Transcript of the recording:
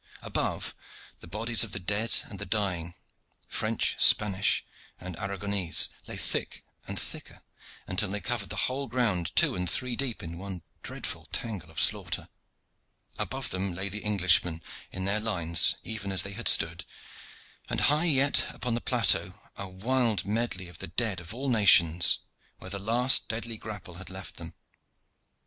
Above, the bodies of the dead and the dying French, Spanish, and Aragonese lay thick and thicker, until they covered the whole ground two and three deep in one dreadful tangle of slaughter. Above them lay the Englishmen in their lines, even as they had stood, and higher yet upon the plateau a wild medley of the dead of all nations, where the last deadly grapple had left them.